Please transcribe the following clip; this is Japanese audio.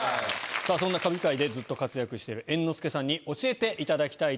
そんな歌舞伎界でずっと活躍してる猿之助さんに教えていただきたいと思います。